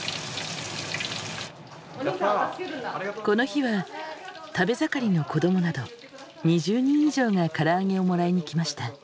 この日は食べ盛りの子どもなど２０人以上がからあげをもらいに来ました。